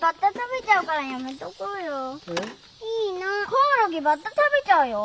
コオロギバッタ食べちゃうよ？